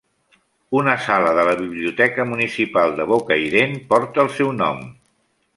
Una sala de la Biblioteca Municipal de Bocairent porta el seu nom.